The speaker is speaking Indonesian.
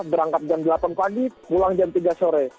berangkat jam delapan pagi pulang jam tiga sore